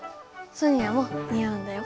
ソニアもに合うんだよ。